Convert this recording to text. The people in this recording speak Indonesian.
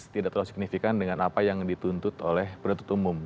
tidak terlalu signifikan dengan apa yang dituntut oleh penuntut umum